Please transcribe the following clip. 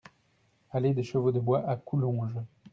Allée des Chevaux de Bois à Coulonges